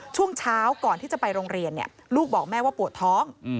ช่วงเช้าก่อนที่จะไปโรงเรียนลูกบอกแม่ว่าปวดท้อง